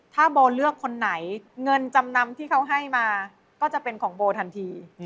ถ้าโบเลือกคนไหนเงินจำนำที่เขาให้มาก็จะเป็นของโบทันที